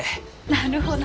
なるほど。